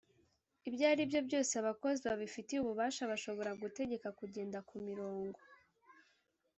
lbyo aribyo byose abakozi babifitiye ububasha bashobora gutegeka kugenda ku mirongo